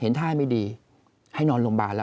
ท่าไม่ดีให้นอนโรงพยาบาลแล้ว